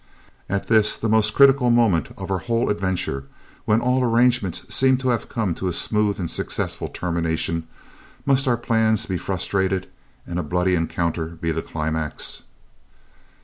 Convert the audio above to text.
"At this, the most critical moment of our whole adventure, when all arrangements seem to have come to a smooth and successful termination, must our plans be frustrated, and a bloody encounter be the climax?"